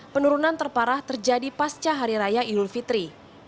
penurunan terparah terjadi pasca hari raya idul fitri